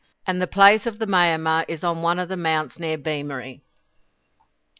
And the place of the mayamah is on one of the mounts near Beemery.